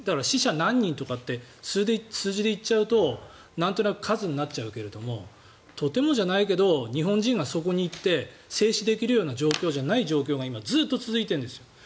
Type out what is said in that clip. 死者、何人とかって数字で言っちゃうとなんとなく数になっちゃうけれどとてもじゃないけど日本人がそこに行って正視できるような状況じゃない状況が今、ずっと続いているんです。